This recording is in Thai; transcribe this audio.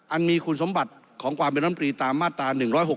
อันมีคุณสมบัติของความเป็นลำปรีตามมาตรา๑๖๖